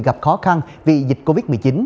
gặp khó khăn vì dịch covid một mươi chín